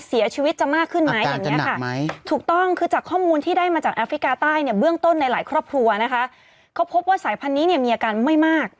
เสียชีวิตจะมากขึ้นไหม